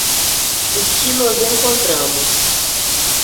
O que nos encontramos